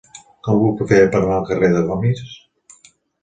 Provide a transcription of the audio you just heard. Com ho puc fer per anar al carrer de Gomis?